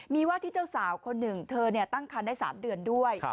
มีว่าที่เจ้าสาวคนหนึ่งเธอตั้งคันได้๓เดือนด้วย